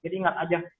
jadi ingat aja